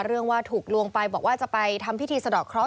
ว่าถูกลวงไปบอกว่าจะไปทำพิธีสะดอกเคราะ